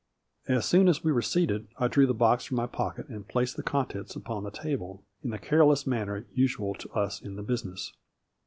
As soon as we were seated I drew the box from my pocket and placed the contents upon the table, in the careless manner usual to us in the business.